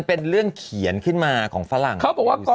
พูดเกียวอะไรกันอ่ะ